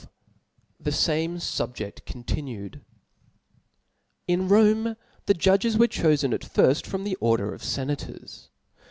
XII, T^hefome Subje£i continued. IN Rome the judges were chofen at firft front the order of fenators.